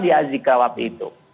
di azikrah waktu itu